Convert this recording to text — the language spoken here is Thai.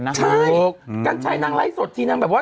ใช่กัญชัยนางไลฟ์สดทีนางแบบว่า